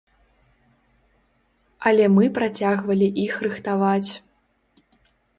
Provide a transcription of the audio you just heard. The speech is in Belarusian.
Але мы працягвалі іх рыхтаваць.